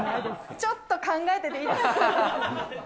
ちょっと考えてていいですか。